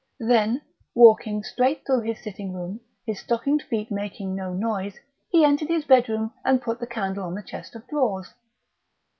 Then, walking straight through his sitting room, his stockinged feet making no noise, he entered his bedroom and put the candle on the chest of drawers.